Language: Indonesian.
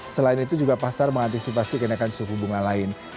selain itu juga pasar mengantisipasi kenaikan suku bunga lain